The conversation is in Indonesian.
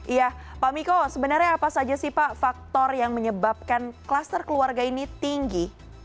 iya pak miko sebenarnya apa saja sih pak faktor yang menyebabkan klaster keluarga ini tinggi